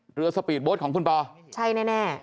สปีดโบ๊ทของคุณปอใช่แน่